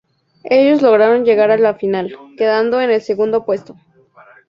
Ellos lograron llegar a la final, quedando en el segundo puesto.